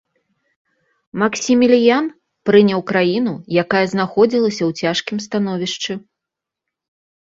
Максіміліян прыняў краіну, якая знаходзілася ў цяжкім становішчы.